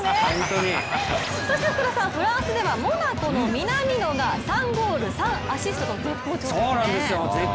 そしてフランスではモナコの南野が３ゴール、３アシストと絶好調ですね。